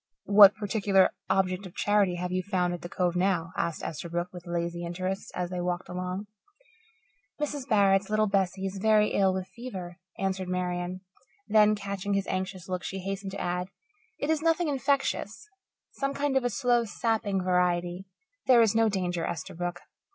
"What particular object of charity have you found at the Cove now?" asked Esterbrook, with lazy interest, as they walked along. "Mrs. Barrett's little Bessie is very ill with fever," answered Marian. Then, catching his anxious look, she hastened to add, "It is nothing infectious some kind of a slow, sapping variety. There is no danger, Esterbrook."